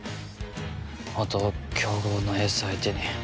元強豪のエース相手に。